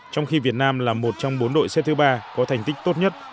trong khi việt nam là một trong bốn đội xếp thứ ba có thành tích tốt nhất